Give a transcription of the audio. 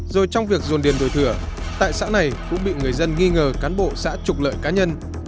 rồi trong việc dồn điền đổi thửa tại xã này cũng bị người dân nghi ngờ cán bộ xã trục lợi cá nhân